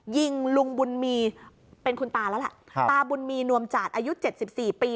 ยิงลุงบุญมีเป็นคุณตาแล้วล่ะตาบุญมีนวมจาดอายุเจ็ดสิบสี่ปี